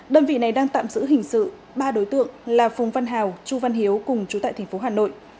đơn vị này đang tạm giữ hình sự ba đối tượng là phùng văn hào chu văn hiếu cùng chú tại tp hà nội